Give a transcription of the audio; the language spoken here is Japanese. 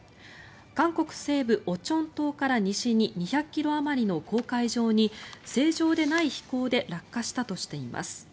韓国西部オチョン島から西に２００ｋｍあまりの黄海上に正常でない飛行で落下したとしています。